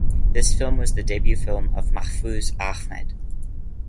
This film was the debut film of Mahfuz Ahmed.